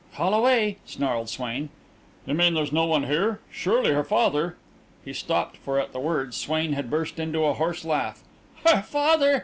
"Call away!" snarled Swain. "You mean there's no one here? Surely, her father ..." He stopped, for at the words Swain had burst into a hoarse laugh. "Her father!"